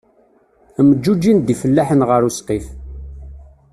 Mǧuǧǧin-d ifellaḥen ɣer usqif.